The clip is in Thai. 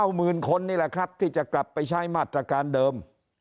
หมื่นคนนี่แหละครับที่จะกลับไปใช้มาตรการเดิม